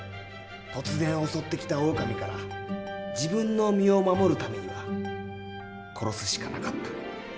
突然襲ってきたオオカミから自分の身を守るためには殺すしかなかった。